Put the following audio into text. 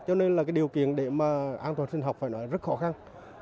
cho nên là điều kiện để an toàn sinh học rất khó khăn